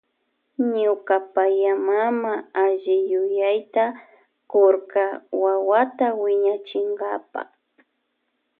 Ñuka payamama alliyuyayta kurka wawata wiñachinkapa.